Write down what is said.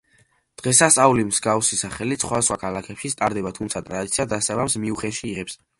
დღესასწაული მსგავსი სახელით სხვა ქალაქებშიც ტარდება, თუმცა ტრადიცია დასაბამს მიუნხენში იღებს.